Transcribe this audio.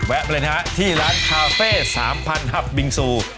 ไปเลยนะฮะที่ร้านคาเฟ่๓๐๐หับบิงซู